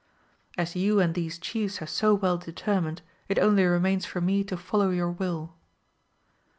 as you and these chiefs have so well determined, it only remains for me to follow your will.